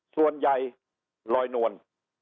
ส่วนใหญ่ลอยนวล